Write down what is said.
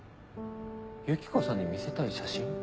ユキコさんに見せたい写真？